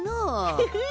フフフ！